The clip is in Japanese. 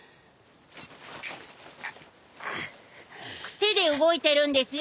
癖で動いてるんですよ